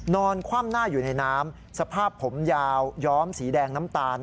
คว่ำหน้าอยู่ในน้ำสภาพผมยาวย้อมสีแดงน้ำตาล